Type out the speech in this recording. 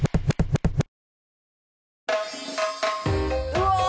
うわ！